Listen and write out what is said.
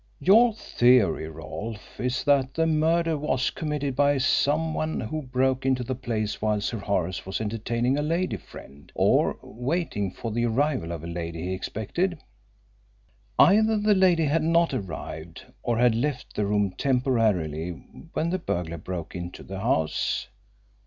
Your theory, Rolfe, is that the murder was committed by some one who broke into the place while Sir Horace was entertaining a lady friend or waiting for the arrival of a lady he expected. Either the lady had not arrived or had left the room temporarily when the burglar broke into the house.